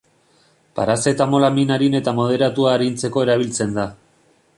Parazetamola min arin eta moderatua arintzeko erabiltzen da.